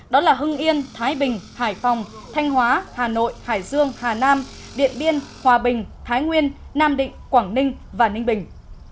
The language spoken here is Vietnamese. đó là hưng yên thái bình hải phòng thanh hóa hà nội hải dương hà nam điện biên hòa bình thái nguyên nam định quảng ninh và ninh bình